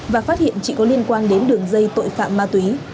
và phát hiện chị có liên quan đến đường dây tội phạm ma túy